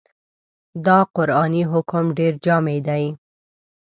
دا قرآني حکم ډېر جامع دی.